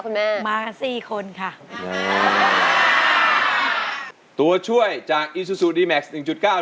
เลือกตามแม่ค่ะ